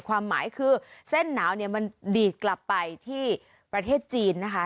ความหมายคือเส้นหนาวเนี่ยมันดีดกลับไปที่ประเทศจีนนะคะ